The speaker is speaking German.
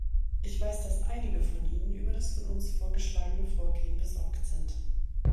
Ich weiß, dass einige von Ihnen über das von uns vorgeschlagene Vorgehen besorgt sind.